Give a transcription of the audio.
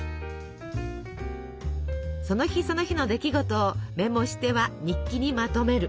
その日その日の出来事をメモしては日記にまとめる。